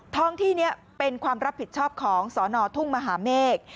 ท้องที่นี้เป็นความรับผิดชอบของสนทุ่งมหาเมฆ